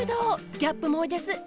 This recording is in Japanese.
ギャップ萌えです。